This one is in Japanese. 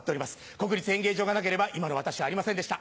国立演芸場がなければ今の私はありませんでした。